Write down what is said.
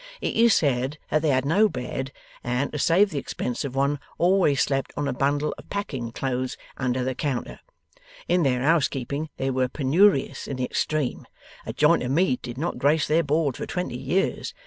It is said that they had no bed, and, to save the expense of one, always slept on a bundle of packing cloths under the counter. In their housekeeping they were penurious in the extreme. A joint of meat did not grace their board for twenty years.